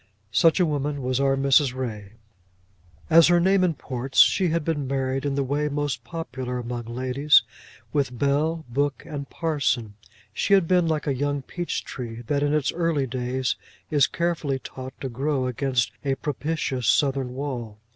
Such a woman was our Mrs. Ray. As her name imports, she had been married in the way most popular among ladies, with bell, book, and parson. She had been like a young peach tree that, in its early days, is carefully taught to grow against a propitious southern wall.